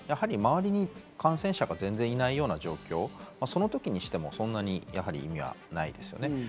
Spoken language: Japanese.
ただ周りに感染者が全然いないような状況、その時にしても、そんなに意味はないですよね。